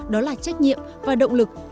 đó là trách nhiệm và động lực